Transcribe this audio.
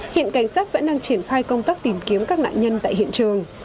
hiện cảnh sát vẫn đang triển khai công tác tìm kiếm các nạn nhân tại hiện trường